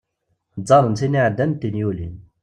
Ẓẓaren tin iɛeddan d tin yulin.